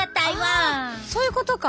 そういうことか！